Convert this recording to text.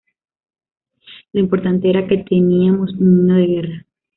Lo importante era que teníamos un himno de guerra".